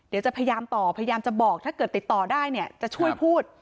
เดี๋ยวจะพยายามต่อพยายามจะบอกถ้าเกิดติดต่อได้เนี่ยจะช่วยพูด